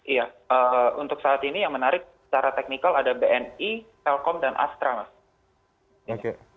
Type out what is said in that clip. iya untuk saat ini yang menarik secara teknikal ada bni telkom dan astra mas